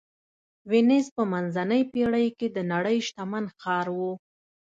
وینز په منځنۍ پېړۍ کې د نړۍ شتمن ښار و.